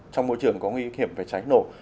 trong môi trường có nguy hiểm về cháy nổ